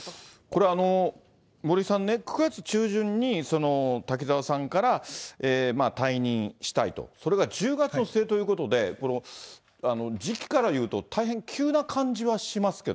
これ、森さんね、９月中旬に、滝沢さんから退任したいと、それが１０月の末ということで、時期からいうと、そうですね。